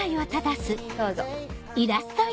どうぞ。